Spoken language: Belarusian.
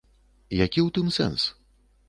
Які ў тым сэнс?